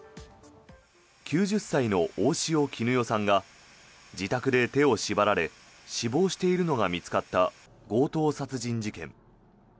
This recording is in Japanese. ９０歳の大塩衣與さんが自宅で手を縛られ死亡しているのが見つかった強盗殺人事件。